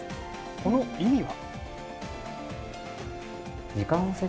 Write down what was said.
この意味は？